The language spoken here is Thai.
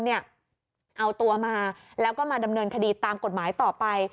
เอาตัวมาแล้วก็มาดำเนินคดีตามกฎหมายต่อไป